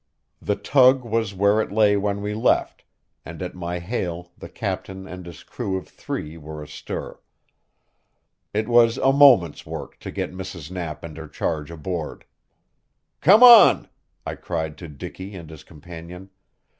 The tug was where it lay when we left, and at my hail the captain and his crew of three were astir. It was a moment's work to get Mrs. Knapp and her charge aboard. "Come on!" I cried to Dicky and his companion.